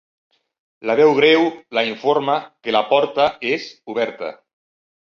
La veu greu la informa que la porta és oberta.